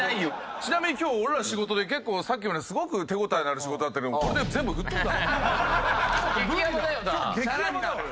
ちなみに今日俺ら仕事で結構さっきまですごく手応えのある仕事だったけど激やばだよな？